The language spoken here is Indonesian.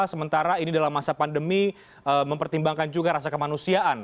sementara ini dalam masa pandemi mempertimbangkan juga rasa kemanusiaan